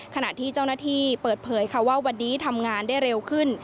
ขณะที่เจ้าหน้าที่เปิดเผยค่ะว่าวันนี้ทำงานได้เร็วขึ้น